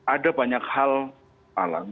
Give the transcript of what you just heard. ada banyak hal alam